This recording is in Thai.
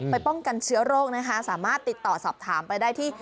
ป้องกันเชื้อโรคนะคะสามารถติดต่อสอบถามไปได้ที่